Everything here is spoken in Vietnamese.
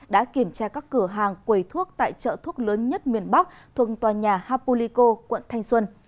đã kiểm tra các cửa hàng quầy thuốc tại chợ thuốc lớn nhất miền bắc thuộc tòa nhà hapulico quận thanh xuân